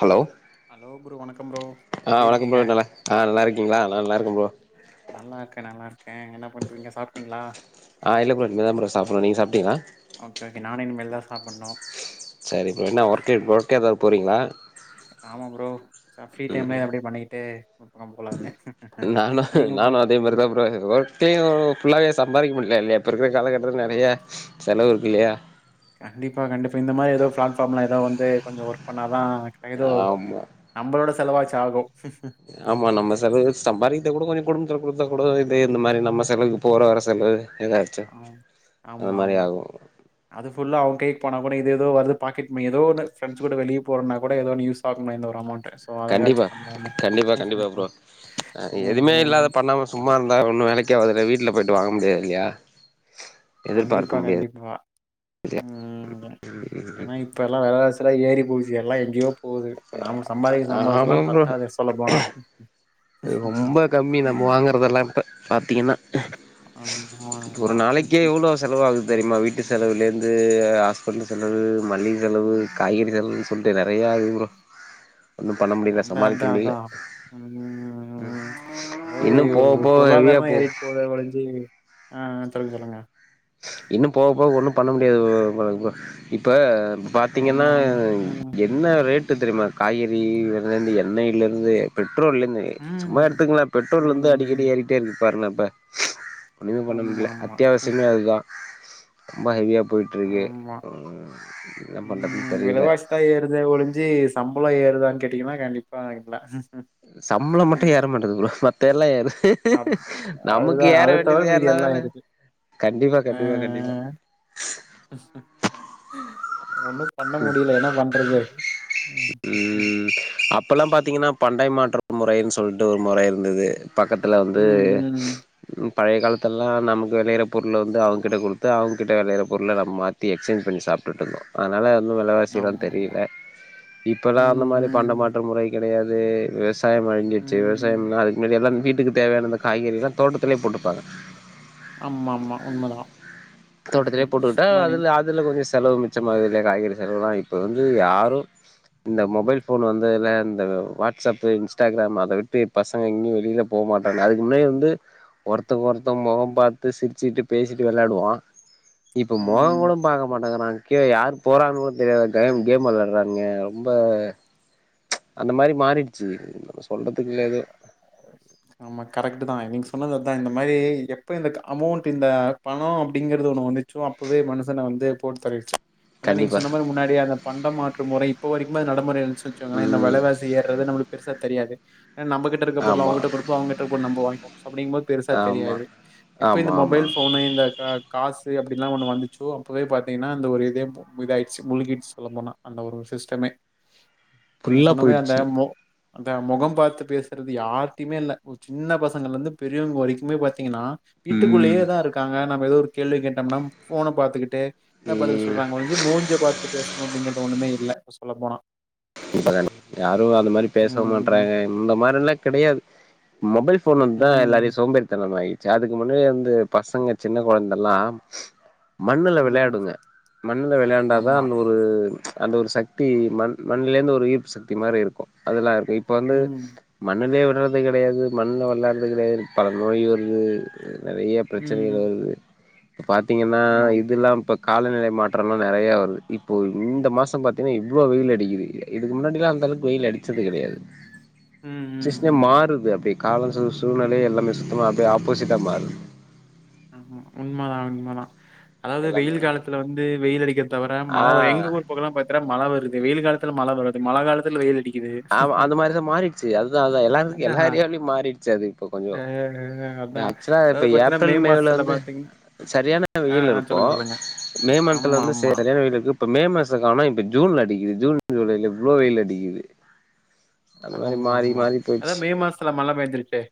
Hello hello bro வணக்கம் bro எப்டி ஆஹ் வணக்கம் இருக்கீங்க ப்ரோ நல்லா ஆஹ நல்லா இருக்கீங்களா நல்லா இருக்கேன் ப்ரோ நல்லா இருக்கே நல்லா இருக்கே என்ன பண்றீங்க சாப்ட்டீங்களா ஆ இல்ல ப்ரோ இனி தா ப்ரோ சாப்டனும் நீங்க சாப் அப்டியா ஓக்கே ஓக்கே நானும் இனிமேல் தான் சாப்பன்னும். செரி ப்ரோ என்ன ஒர்க்கு இப்ப ஒர்க் ஏதாவது போறீங்களா ச ஃப்ரீ ம் டைம்ல எப்படி பண்ணிட்டு ஒரு பக்கம் போலாம்னு நானு நீங்க ப்ரோ நானு அதே மாரிதா ப்ரோ ஒர்க்லயு ஃபுல்லாவே சம்பாரிக்க முடியல இல்லைய இப்ப இருக்க காலகட்ட [unintelligible] நெறைய செலவு இருக் இல்லையா கண்டிப்பா கண்டிப்பா இந்த மாரி ஏதோ பிளாட்ஃபார்ம்ல ஏதோ வந்து கொஞ்சோ ஒர்க் பண்ணாதான் [unintelligible] ஆமா நம்மளோட செ செலவாச்சாகும் ஆமா நம்ம செலவு சம்பாரிக்கிறது கூட கொஞ்சோ குடும்பத்தில கொடுத்த கூட இதே இந்த மாறி நம்ம செலவுக்கு போற வர செலவு எதாச்சும் அந்த ஆமா மாறி ஆமா ஆகும் அது ஃபுல்லா அவங்க கைக் போனா கூட ஏதோ வருது பாக்கெட் மணி ஏதோ ஒன்னு ஃப்ரண்ட்ஸ் கூட வெளிய போரோன்னா கூட எதோ ஒரு யூஸ் ஆணும் இந்த ஒரு அமௌன்ட் கண்டிப்பா கண்டிப்பா கண்டிப்பா ப்ரோ ச்சு ஆ ம் எதுவுமே ம் இல்லாத பண்ணாம சும்மா இருந்தா ஒன்னும் வேலைக்கு ஆகாதுல்ல வீட்டுல போயிட்டு வாங்க முடியாது இல்லையா கண்டிப்பா எதிர்பார்க்க முடியாது கண்டிப்பா உம் ஏன்னா இப்ப எல்லா விலவாசிலா ஏறி போச்சு எல்லா எங்கோ போகுது இப்ப நாம சம்பாதிக்க சம்போஸ் ஆமா எல்லா பத்தாது சொல்ல போனா து ரொம்ப கம்மி நம்ம வாங்கறதெல்லாமே இப்ப பாத்திங்கன்னா ஆமா, ஒரு ஆமா. நாளைக்கே எவ்ளோ செலவாகுது தெரியுமா வீட்டு செலவுலேருந்து தெ [unintelligible] ப்பண்ண செலவு மல்லிக செலவு காய்கறி செலவுன்னு சொல்லிட்டு நெறையா இருக்கு ப்ரோ ஒன்னும் பண்ண முடியல அதான், சமாளிக்க அதான், முடியல அதான். ம் அதாவது இன்னும் போக போக ஹெவியா போகு ஆஹ் சொல்லுங்க சொல்லுங்க இன்னு போக போக ஒன்னு பண்ண முடியாது ப்ரோ [unintelligible] இப்ப பாத்தீங்கன்னா ஆமா, ஆமா. ம். என்ன ரேட் ட்டு தெரியுமா காய்கறிவெலலிர்ந்து எண்ணெயிலருந்து பெட் பெட்ரோல்லிந்து சும்மா ம். எடுத்துக்கொங்களா பெட்ரோல்லருந்து அடிக்கடி ம். ஏறிட்டே இருக்கு பர்னப்பே ஒண்ணுமே பண்ண முடியல ஆமாமா. அத்தியாவசியமே அது அ ரொம்ப ஹெவியா போய்ட்டு இருக்கு ஆமா. ம் என்ன பண்றதுன்னு ம். தெரியில சம்பளோ ஏறுதான்னு கேட்டீங்கன்னா கண்டிப்பா இல்ல சம்பளம் மட்டு ஏற மாட்டது ப்ரோ தெர்லயேனு ஹிக் ஹீக் அப் ஹீக் நமக்கு அதுதான் ஏற அத தவிர வேண்டியது மீதி எல்லாம் எர்னதானே இருக்கு. கண்டிப்பா அ கண்டிப்பா கண்டிப்பா ஒண்ணும் பண்ண முடியல என்ன பண்றது? ம் உம் அப்பெல்லா பாத்தீங்கன்னா பண்டை மாற்றம் முறைன்னு சொல்லிட்டு ஒரு முறை இருந்தது பக்கத்துல வந்து ம் ம் ம். பழைய காலத்தெல்லா நமக்கு விளையற பொருள வந்து அவங்க கிட்டே கொடுத்து அவங்ககிட்ட விளையற பொருள நம்ம மாத்தி எக்ஸ்சேஞ் பண்ணி சாப்பிட்டுட்ருந்தோ அதனால ஒன்னு விலவாசிலா ஆமா. தெரில இப்பெல்லா அந்த ம் மாரி பண்ட ம் மாற்ற முறை கெடையாது ஏ வேஸ்க் விவாயம் அழிஞ்சுச்சு ம். விவசாயம்லா அதுக்கு மின்னாடி எல்லா வீட்டு க்கு தேவையானந்த காய்கறி எல்லா தோட்டத்திலயே போட்டுப்பாங்க ஆமா ஆமா உண்மதா தோட்டத்திலே உம்ஹும் போட்டுக்கிட்டா மணி செலவு மிச்சமாகு இந்த காய்கறி செலவுலா இப்ப வந்து யாரு இந்த மொபைல் போன் வந்துல இந்த வாட்ஸ்அப் இன்ஸ்டாகிராம் அத விட்டு பசங்க எங்கயு வெளியில போகமாட்டாங்க அதுக்கு முன்னாடி வந்து ஒருத்தக்கு ஒருத்த முகம் பார்த்து சிரிச்சுட்டு பேசிட்டு விளையாடுவா இப்ப ம். மொகொங்கோட பாக்க மாட்டேங்கிறாங்க கியுயார் போறான்னுக தெரியாது கைம் கேம் விளாடுறாங்க ரொம்ப ம்ச் அந்த மாரி மாறிடுச்சு சொல்றதுக்கு இல்ல எதுவு ஆமா கரெக்ட்டுதா நீங் சொ சொன்னது தா இந்த மாரி எப்போ இந்த க்க அமௌண்ட் இந்த பணோ அப்டிங்கறது ஒன்னு வந்துச்சோ அப்போவே மனுஷன வந்து போட்டு தள்ளிடுச்சு ஆனா நீங்க கண்டிப்பா சொன்ன மாரி முன்னாடியே அந்த பண்டம் மாற்று முறை இப்ப வரைக்குமே அது நடைமுறைல வெச்சுக்சோ இந்த ம் வெலவாசி ஏறது நம்மளுக்கு பெருசா தெரியாது ஏனா நம்ம கிட்ட இருக்க பொருள ஆமா அவங்ககிட்ட கொடுப்போ அவங்ககிட்ட இருக்க பொருள நம்ம வாங்கிக்குவோ அப்டிங்கபோது பெருசா ஆமா தெரியாது எப்போ ஆமா இந்த ஆமா மொபைல் ஃபோனு இந்த காசு அப்படிலாம் ஒண்ணு வந்துச்சோ அப்பவே பாத்தீங்கன்னா அந்த ஒரு இதே இதாயிடுச்சு முழுகிச்சு சொல்ல போனா அந்த ஒரு சிஸ்டமே நீங்க ஃபுல்லா சொன்ன [unintelligible] அந்த போயிடுச்சு போவு அந்த முகம் பாத்து பேசுறது யார்டியுமே இல்ல ஒரு சின்ன பசங்கள்ந்து பெரியவங்க வரைக்குமே பாத்தீங்கன்னா வீட்டுக்குள்ளேயே ம் தான் இருக்காங்க ஏதோ ஒரு கேள்வி கேட்டோம்னா ஃபோன பாத்துக்கிட்டே என்ன பதில் ம் சொல்றாங்கொழிஞ்சி மூஞ்ச பாத்து பேசணும் அப்டிங்கிறது ஒண்ணுமே இல்ல சொல்ல போனா இப்பதானே யாரும் அந்த மாதிரி பேச ம் மாட்றாங்க இந்த மாதிரி ல்லாம் கெடையாது மொபைல் ஃபோன் வந்தா ம் எல்லாறையும் சோம்பேரி தனமா ஆயி ச்ச அதுக்கு முன்னாடியே வந்து பசங்க சின்ன கொழந்தல்லா மண்ணுல ம் விளையாடுங்க மண்ணுல விளையாண்டாதா ஆமா அந்த ஒரு அந்த ஒரு சக்தி மண் மண்ணுல இருந்து ஒரு ஈர்ப்பு சக்தி மாறி இருக்கூ அதெல்லா இருக் இப்ப வந்து ம் மண்ணுன்னே யாட்றது கிடையாது மண்ல விளையாட்றது கெடையாது பல நோய் வருது நெறைய ம் பிரச்சனைகள் வருது இப்ப பாத்தீங்கன்னா ஆமா இதுெல்லா இப்ப காலநிலை மாற்றோதா நெறைய வருது இப்போ இந்த மாசோ பாத்தீங்கன்னா இவ்ளோ வெயில் அடிக்குது இதுக்கு முன்னாடிலா அந்த அளவுக்கு வெயில் அடிச்சது கிடையாது ம் ம் சஷனே ம் மாறுது அப்டியே காலம் சு சூழ்நிலையே எல்லாமே சுத்தமாக அப்டியே ஆப்போசிட்டா மாறுது. ஆமா உண்மதா உண்மதா அதாவது எல்லாமே வெயில் காலத்துல வந்து வெயில் அடிக்க தவிர ஆ மழ எங்க ஊர் பக்கலாம் பாத்தினா மழ வருது வெயில் காலத்தல மழ வருது மழ காலத்தல வெயில் அடிக் ஆமா அந்த மாரிதா மாறிடுச்சு அதுதா அதுதா எல்லா அதா எல்லா ஏரியாவிலியு மாறிடுச்சு அது இப்ப கொஞ்சோ அ அதான். ஆக்சுவலா இப்ப அதாவது பார்த்தீங்கன்னா, ஏப்ரல் மே ல மாசத்துல வந்து பார்த்தீங் சரியான ஆ, வெயில் ஆ இருக்கோ சொல்லுங்க, சொல்லுங்க. மே மந்த்ல ஆமா, வந்து ஆமா. சரியான வெயில் இருக்கு இப்ப மே மாசோ கானோ இப்ப ஜூன்ல அடிக்குது ஜூன் ஜூலைல இவ்ளோ வெயில் அடிக்குது அந்த மாரி ஆம்மா மாறி ஆமா மாறி அத்தா போயிடுச்சு மே மாசத்துல மழ பெஞ் இருக்கே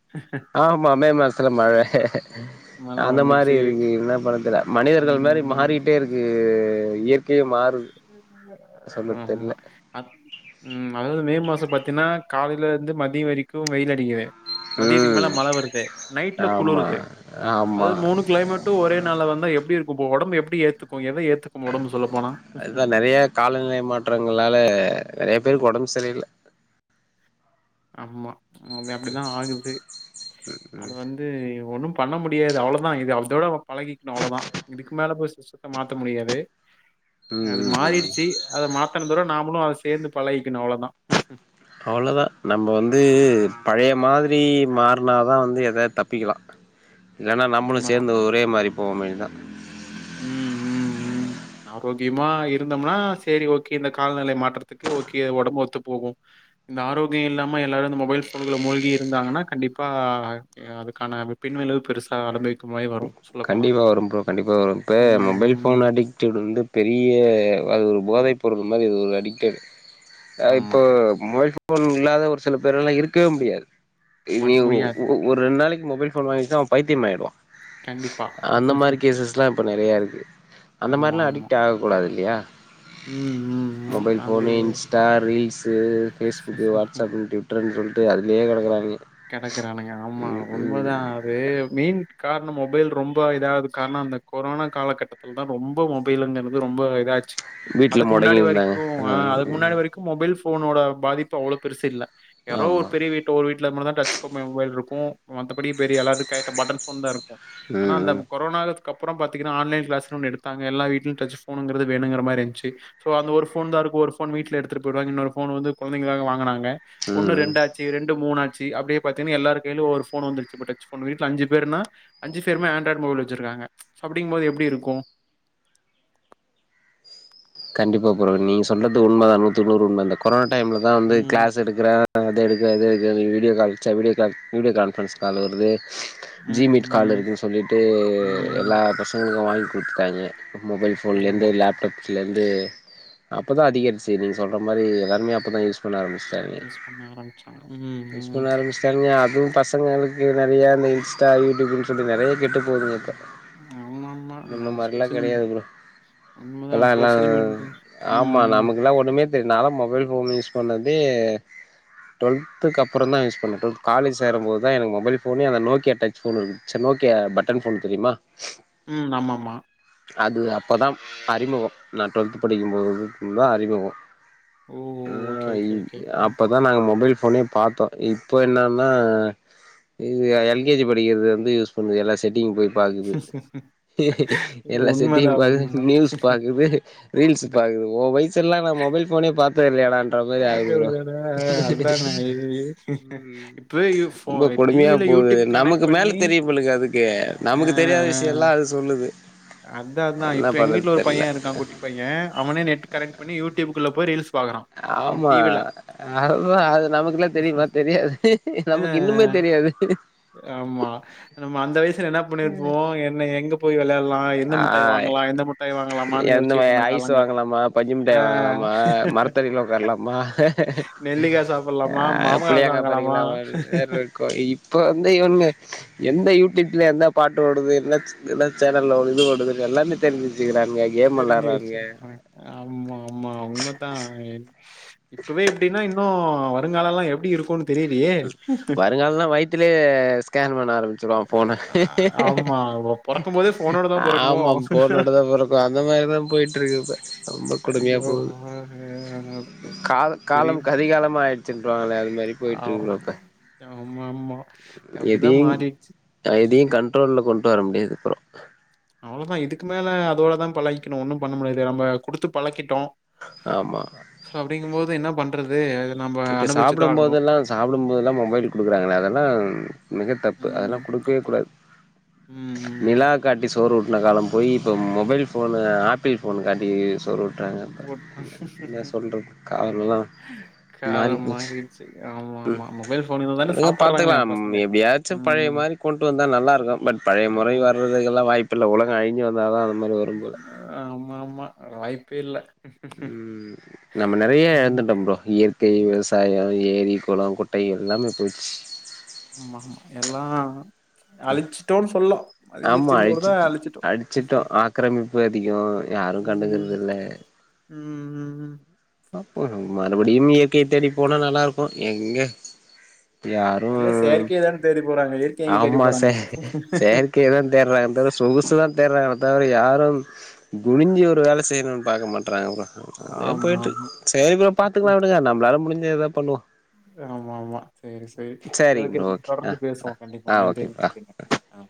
ஆமா மே மாசத்துல மழ மழை அந்த மாரி வந்துச்சு. இருக்கு என்ன பண்றது தெரில மனிதர்கள் மாரி ம். மாறிட்டே இருக்க இயற் ஆமா தெர்ல அத் உம் அதாவது மே மாசோ பாத் ஏனா காலையில இருந்து மதியம் வரைக்கூ வெயில் அடிக்குது மதியத்துக்கு மேல ம் மழ வருது நைட்ல ஆமா குளுருது ஆமா அதாவது மூணு கிளைமேட்டு ஒரே நாள்ல வந்தா எப்டி இருக் இப்போ உடம்பு எப்டி ஏத்துக்கோ ஏத் ப்டி ஏத்துக்கும் ஒடம்பு சொல்ல போனா அதுதா நெறைய காலநிலை மாற்றங்களால நறைய பேருக்கு ஒடம்பு செரியில்ல ஆமா அப்டிதா ஆகுது அது வந்து ஒன்னும் பண்ண முடியாது அவ்ளோதா இதோட பழகிக்கணு அவ்வளோதா இதுக்கு மேல போய் சிஸ்டத்த மாத்த முடியாது ம் அது ம் ம் மாறிடுச்சு அத மாத் த்தனத விட நாமளு அத சேந்து பழகிக்கணு அவ்வளோ தா அவ்ளோதா நம்ம வந்து பழைய மாதிரி மார்னாதா வந்து எதாது தப்பிக்கலா இல்லனா நம்மளு உண்மதான். சேந்து ஒரே மாரி போவுமேன் தா ம் ம் ம் ஆரோக்கியமா இருந்தோம்னா சேரி ஓகே இந்த காலநிலை மாற்றத்துக்கு ஓகே ஒடம்பு ஒத்து போகும் இந்த ஆரோக்கியம் இல்லாம எல்லாரு இந்த மொபைல் போனுகுள்ள மூழ்கி இருந்தாங்கன்னா கண்டிப்பா அதுக்கான பின்விளைவு பெருசா ஆரம்பி அது மாரி வரு சொல்ல போனா இப்போ இப்ப மொபைல் போன் அடிக்டடு வந்து பெரிய அது ஒரு போதை பொருள் மாரி அது ஒரு அடிக்டடு ஆ ஆமா. இப்போ மொபைல் போன் இல்லாத ஒரு சில பேர்லா இருக்கவே முடியாது இனி மடி ஒ முடியாது. ஒரு ரெண்டு நாளைக்கு மொபைல் போன் வாங்கிட்டா அவெ பைத்தியம் ஆய்டுவா கண்டிப்பா. அந்த மாரி கேசஸ்ல்லா இப்ப நெறையா இருக்கு அந்த மாரிலா ஆமாமா. அடிக்ட் ஆக கூடாது இல்லையா ம், ம், ம். மொபைல் அது phone Insta reels Facebook WhatsApp டிவிட்டர்ன்னு சொல்லிட்டு அதுலயே கடக்றானுங்க கெடக்குறானுங்க ஆமா உண்ம தா அது மெயின் கா ரணம் மொபைல் ரொம்ப இதாவது காரண அந்த கொரோனா காலகட்டத்தில் தா ரொம்போ மொபைல்ங்கிறது ரொம்ப இதாச் வீட்ல அதுக்கு மொடங்கி முன்னாடி இருந்தாங்க வரைக்கு ஆ அதுக்கு முன்னாடி ம் வரைக்கு மொபைல் ஃபோனோட பாதிப்பு அவ்ளோ பெருசு இல்ல யாரோ ஒரு ஆமா பெரிய வீட் ஒரு வீட் இந்த மாரி தா டச் [unintelligible] மொபைல் இருக்கு ஏ மத்தபடி பெரிய எல்லாட்டு கைட் பட்டன் ஃபோன் தா இருக்கு ஆனா ம் அந்த ம் கொரானா குத் அக்கப்புற பாத்தீங்கனா ஆன்லைன் கிளாஸ்னு ஒன்னு எடுத்தாங்க எல்லாவீட்டிலு டச்சு ஃபோனுங்கிறது வேணுங்கு மாரி ஆயிச்சு சோ அந்த ஒரு ஃபோன் தா இருக்கு ஒரு போன் வீட்டுல எடுத்துப் போய்ருவாங்க இன்னொரு ஃபோன் வந்து கொழந்தைக்களுக்காக வாங்கனாங்க ம் ஒன்னு ம். ரெண்டாச்சு ரெண்டு மூணா ச்சி அப்டே பாத்தீங்கனா எல்லார் கையிலு ஒவ்வொரு ஃபோன் வந்துருச்சி இப்ப டச்சு ஃபோன் வீட்ல அஞ்சு பேருனா அஞ்சு பேருமே ஆன்ராய்டு மொபைல் வச்சிருக்காங்க அப்டிங் போது எப்புடி இருக்கு கண்டிப்பா ப்ரோ நீங்க சொன்னது உண்ம தா நூத்துக்குநூறு உண்ம அந்த கொரான டைம்ல தா வந்து ம் கிளாஸ் எடுக்கறே அத எடுக்காத நீ வீடியோ கால்ச்சா வீடியோ கால் வீடியோ கான்ஃபரன்ஸ் கால்ல வருது ஜி ம் மீட் கால் ம் இருக்குன்னு சொல்லிட்டு ம் எல்லா பசங்களுக்கு வாங்கி குடுத்தாங்க மொபைல் போன்ல இருந்து ஆமா லேப்டாப் கிலர்ந்து அப்பதா அதிகரிச்சு நீங்க சொல்ற மாரி எல்லாருமே அப்பதா யூஸ் பண்ண ஆரம்பிச்டாங்க யூஸ் பண்ண ஆரம்பிச்சாங்க ம் மிஸ் ம் பண்ண ஆரம்பிச்டாங்க அப் இதுவு பசங்களுக்கு நெறைய அந்த இன்ஸ்டா யூடுபுனு சொல்லி நெறைய கெட்டு போதுங்க இப்ப ஆமாமா முன்ன அது மாரிலா சோசியல் மீ கெடையாது ப்ரோ உண்மதா இப்பெல்லா எல்லா சோசியல் மீடியா ம் ஆமா ம் நமக்குல்லா ஒண்ணமே தெரில நால மொபைல் ஃபோன் யூஸ் பண்ணது து டுவெல்த்துக்கு அப்புற தா யூஸ் பண்ணே டுவல்த் காலேஜ் சேரும்போது தா எனக்கு மொபைல் ஃபோனே அந்த நோக்கியா டச் ஃபோன் இருக்கு ச நோக்கியா பட்டன் ஃபோன் தெரியுமா ம் ஆமாமா அது அப்பதா அறிமுகொ நா டுவெல்த் படிக்கும்போது தா அறிமுகொ ஓ ஓகே ஆஹ் இ ஓகே ஓகே அப்பதா நாங்க மொபைல் ஃப் ஃபோனே பார்த்தோ இப்ப என்னன்னா இது எல் கே ஜி படிக்குறதுலந்து யூஸ் பண்ணுது எல்லா செட்டிங் போய் பாக்குது எல்லா உண்மதா செட்டிங் பாக்குது உண்மதா மீல்ஸ் பாக்குது ரீல்ஸ் பாக்குது உ வயசு லா நா மொபைல் ஃபோனே பாத் த இல்லயடா ன்ற மாரி ஆயிடுது ப்ரோ பாக்குறதுடா அதானே உம் இப்பவே யு ஃபோ ரொம்ப கொடுமையா டிவில போது யூடியூப் நமக்கு கனெக்ட் மேல பண்ணி தெரியும் போல அதுக்கு ஆ நமக்கு தெரியாத விஷய எல்லா அது சொல்லுது அதா அதா என்ன இப்ப எங்க பண்றது வீட்ல தெர்ல பைய இருக்கா குட்டி பைய அவனே நெத்து கனெட் பண்ணி யூடியூப்க்குள்ள போய் ரீல்ஸ் பாக்குறா ஃபோன் ஆமா டிவில அதுதா அது நமக்குல்லா தெரியுமா தெரியாது நமக்கு இன்னுமே ஆஹ் தெரியாது ஆமா நம்ம அந்த வயசுல என்ன பண்ணிருப்போ என்ன எங்க போய் வெளாலா ஆஹ் எந்த யோசிச்சுட்டு மாயி இருந்த ஐஸ் காலங்கள் வாங்கலாமா பஞ்சு ஆ மிட்டாய் வாங்கலாமா மரத்தடில ஒக்காரலாமா நெல்லிக்காய் சாப்பிடலாமா ஆஹ் மாமக்காய் புளியாங்கா சாப்பிடலாமா பறிக்கலாமா வேருக்கு இப்ப வந்து இவன்ங்க எந்த யூடியூப்ல எந்த பாட்டு ஓடுது என்ன சே என்ன சேனல்ல ஓடு து ஓடுது எல்லாமே தெரிஞ்வெச்சுக்குறாங் தெரிஞ்சு வெச்சுருக்காங் ஆமா ஆமா உண்மதா எ இப்பவே இப்டின்னா இன்னு ஆ வருங்காலல்லா எப்டி இருக்குனு வருங்கால நா வயித்துலயே ஸ்கேன் பண் ஆரம்பிசிருவா ஃபோன ஆஹ் ஆமா பொறக்கும் போதே ஃபோனோட தான் பொறக்குமோ ஆமா போனுட தா பொறக்கொ அந்த மாதிரிதா போயிட்ருக்கு இப்ப ரொம்ப கொடுமையா ஐயோ! போகுது ஆஹ் கால பெரிய காலம் கதிகாலமா ஆய் சுன்றாங்களே அது மாரி போய்ட் திருபி ஆம். வெப்பெ ஆமா மா எதையும் எதையு கண்ட்ரோல்ல கொண் வர முடியாது அப்றோ அவ்ளோதா இதுக்கு மேல அதோட தா பழகிக்கணு ஒன்னு பண்ண முடியாது நம்ம குடுத்து பழக்கிட்டோ ஆமா அப்படிங்க போது என்ன பண்றது நம்ம இப்ப அனுபவிச்சு சாப்பிடு தான் ஆகணும். போதெல்லா சாப்பிடு போதெல்லா மொபைல் குடுக்குறாங்கல்ல அதெல்லா மிக தப்பு ம். அதெல்லா குடுக்கவே தப்பு தான். கூடாது ம், நிலா ம். காட்டி சோறுவு ட்டுன கால போயி இப்போ மொபைல் ஃபோனு ஆப்பிள் ஃபோன் காட்டி சோறு ஊட் றாங்க போட் என்ன சொல்றது காலமெல்லா மாறி காலம் போச்சு மாறிடுச்சு. ஆமா, உம் ஆமா. மொபைல் ஃபோன் இதில தானே உடுங்க சாப்பிடுறாங்க பாத்துக்கலா ம் பசங்க. எப்படியாச்சும் பழைய ம். மாரி கொண்டு வந்தா நல்லா இருக்கு பட் பழைய முறை ஆமா. வர்றதுக்கெல்லா வாய்ப்பில்ல உலக அழி ஞ்சு வந்தாத ஆமாமா வாய் பில்ல உம் நம்ம நெறைய ம். இழுந்துட்டோ ப்ரோ இயற்கை விவசாயோ ஏரி குளோ குட்டை எல்லா போயிச்சு ஆமாமா எல்லா அழிச்சுட்டோன் சொல்லா ஆமா அழிச்சிட்டு அடிச்சிட்டோ ஆக்கிரமிப்பு அதிகோ யாரு கண்டுகிறதில்ல ஹூம் ம் ம் அப்புறம் மறுபடியும் இ யற்கைய தேடி போனா நல்லா இருக்கு எங்க யாரு எல்லா செயற்கைய தான தேடி போறாங்க இயற்கைய எங்க தேடி ஆமா செ போறாங்க செயற்கை தா தேடுறாங்க தவிர சொகுசு தா தேடுறாங்க தவிர யாரு குனிஞ்சி ஒரு வேல செய்ணுன் பாக்க மாட் றாங்ப்பா அப்டியே ஆமா போய்ட்ருக் ஆமா சேரி ப்ரோ பாத்துக்கலா விடுங்க நம்மளாள முடிஞ் சத எதா பண்லா ஆமாமா சேரி சேரி சரி சரிங்க ஓகே ப்ரோ [inaudible] ஆ தொடர்ந்து பேசுவோ ஆ ஆ கண்டிப்பா ஓகே நன்றிங் ப்ரோ ஆ நன்றிங்க அ அ